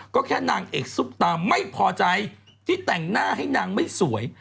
ก็แค่นางเอกซุปตาไม่พอใจที่แต่งหน้าให้นางไม่สวย